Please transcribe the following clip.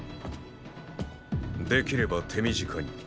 できれば手短かに。